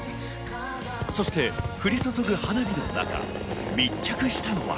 そして降り注ぐ花火の中、密着したのは。